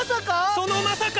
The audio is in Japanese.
そのまさか！